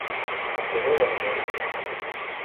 А цього я не можу.